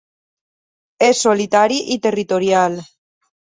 És solitari i territorial.